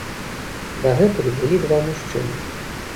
Дагэтуль былі два мужчыны.